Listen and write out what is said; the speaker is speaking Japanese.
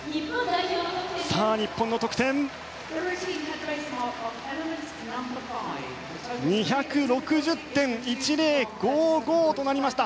日本の得点は２６０．１０５５となりました。